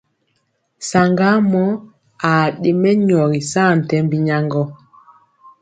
Saŋgamɔ aa ɗe mɛnyɔgi saa tembi nyagŋgɔ.